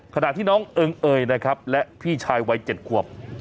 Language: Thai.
ขณะที่น้องเอิงเอยนะครับและพี่ชายวัย๗ขวบ